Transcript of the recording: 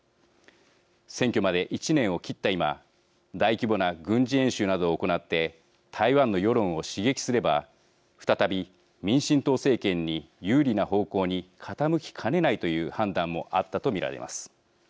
選挙まで１年を切った今大規模な軍事演習などを行って台湾の世論を刺激すれば再び民進党政権に有利な方向に傾きかねないという判断もあったと見られます。